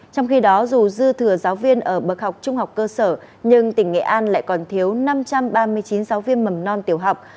trong khi đó dù dư thừa giáo viên ở bậc học trung học cơ sở nhưng tỉnh nghệ an lại còn thiếu năm trăm ba mươi chín giáo viên mầm non tiểu học